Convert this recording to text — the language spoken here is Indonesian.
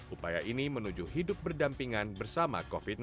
upaya ini menuju hidup berdampingan bersama covid sembilan belas